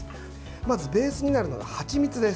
まず、ベースになるのがはちみつです。